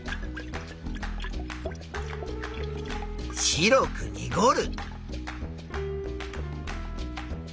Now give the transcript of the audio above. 白くにごる。